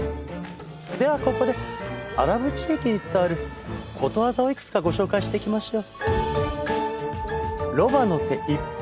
ではここでアラブ地域に伝わることわざをいくつかご紹介していきましょう。